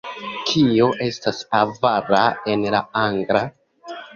Kio estas avara en la angla?